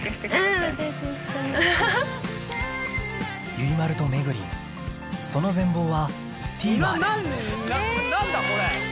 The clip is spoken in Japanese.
ゆいまるとめぐりんその全貌はＴＶｅｒで何だこれ！